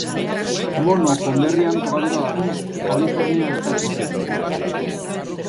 Mono konderrian kokatuta dago, Kalifornia estatuan.